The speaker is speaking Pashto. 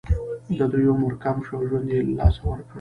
د دوی عمر کم شو او ژوند یې له لاسه ورکړ.